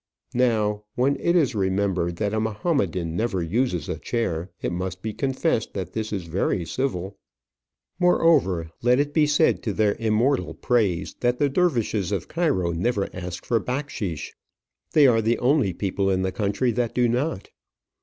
Now, when it is remembered that a Mahomedan never uses a chair, it must be confessed that this is very civil. Moreover, let it be said to their immortal praise, that the dervishes of Cairo never ask for backsheish. They are the only people in the country that do not.